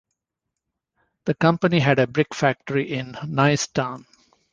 The company had a brick factory in Nicetown.